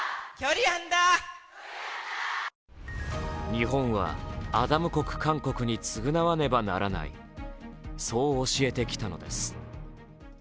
日本はアダム国・韓国に償わねばならない、そう教えてきたのです。